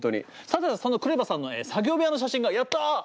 さてそんなＫＲＥＶＡさんの作業部屋の写真がやった！